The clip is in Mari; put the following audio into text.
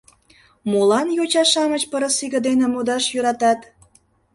Молан йоча-шамыч пырысиге дене модаш йӧратат?